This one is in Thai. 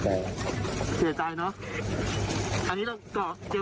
ไม่ได้ไม่ได้ไม่ได้